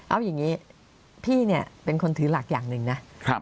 เอาอย่างนี้พี่เนี่ยเป็นคนถือหลักอย่างหนึ่งนะ